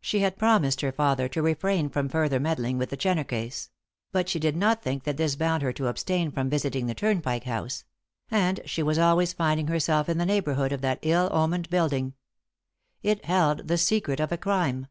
She had promised her father to refrain from further meddling with the Jenner case; but she did not think that this bound her to abstain from visiting the Turnpike House; and she was always finding herself in the neighbourhood of that ill omened building. It held the secret of a crime.